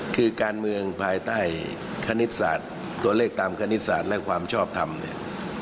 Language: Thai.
คือการเมืองภายใต้คณิตศาสตร์ตัวเลขตามคณิตศาสตร์และความชอบทำเนี่ย